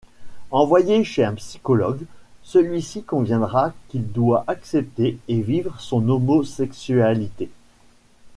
Envoyé chez un psychologue, celui-ci conviendra qu'il doit accepter et vivre son homosexualité.